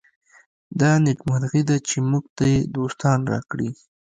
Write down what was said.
دا نېکمرغي ده چې موږ ته یې دوستان راکړي.